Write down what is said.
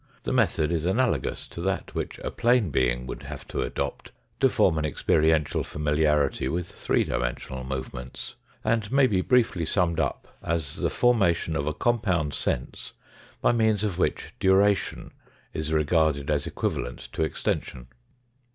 The method is analogous to that which a plane being would have to adopt to form an experiential familiarity with three dimensional movements, and may be briefly summed up as the formation of a compound sense by means of which duration is regarded as equivalent to extension.